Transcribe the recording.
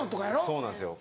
そうなんですよ